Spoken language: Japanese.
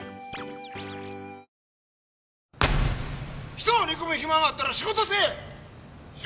人を憎む暇があったら仕事せい！